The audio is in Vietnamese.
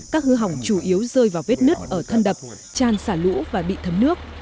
các hư hỏng chủ yếu rơi vào vết nứt ở thân đập tràn xả lũ và bị thấm nước